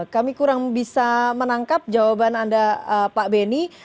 kami kurang bisa menangkap jawaban anda pak beni